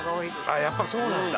伊達：やっぱり、そうなんだ。